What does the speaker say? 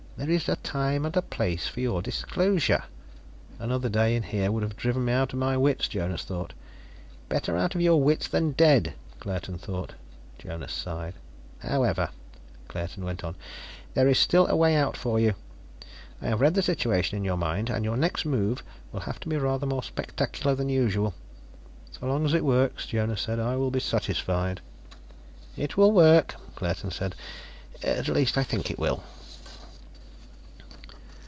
There is a time and a place for your disclosure " "Another day in here would have driven me out of my wits," Jonas thought. "Better out of your wits than dead," Claerten thought. Jonas sighed. "However," Claerten went on, "there is still a way out for you. I have read the situation in your mind, and your next move will have to be rather more spectacular than usual." "So long as it works," Jonas said, "I will be satisfied." "It will work," Claerten said. "At least I think it will."